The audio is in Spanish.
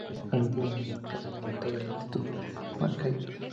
Aun así, posteriormente fue admitido en una clase adelantada del instituto en Mannheim.